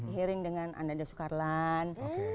hearing dengan ananda sukarlan